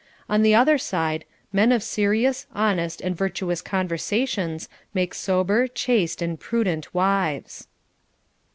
On the other side, men of serious, honest, and virtuous conversations make sober, chaste, and prudent wives.